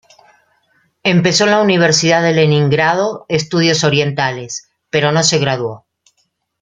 Empezó en la Universidad de Leningrado Estudios Orientales, pero no se graduó.